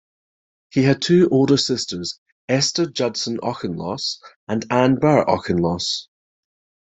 He had two older sisters, Esther Judson Auchincloss and Ann Burr Auchincloss.